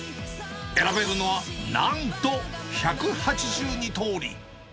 選べるのはなんと１８２とおり。